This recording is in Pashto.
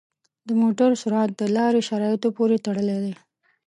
د موټر سرعت د لارې شرایطو پورې تړلی دی.